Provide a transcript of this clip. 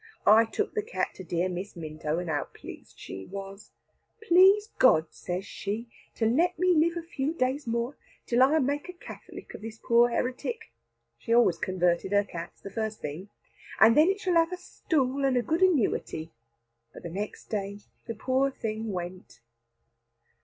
I took the cat to dear Miss Minto, and how pleased she was! 'Please God,' says she, 'to let me live a few days more till I make a Catholic of this poor heretic' she always converted her cats the first thing 'and then it shall have a stool and a good annuity.' But next day the poor thing went."